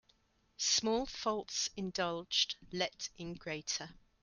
Small faults indulged let in greater.